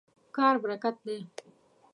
کار برکت دی.